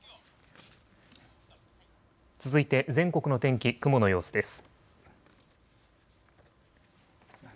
続いて全国の天気、雲の様子です。